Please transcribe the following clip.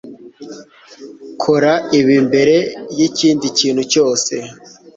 Kora ibi mbere yikindi kintu cyose